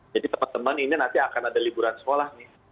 jadi teman teman ini nanti akan ada liburan sekolah nih